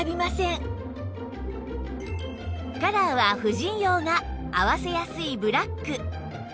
カラーは婦人用が合わせやすいブラック